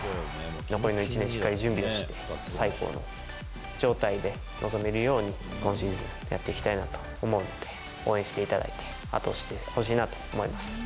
残りの１年、しっかり準備をして、最高の状態で臨めるように、今シーズンやっていきたいなと思うので、応援していただいて、後押ししてほしいなと思います。